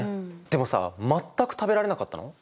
でもさ全く食べられなかったの？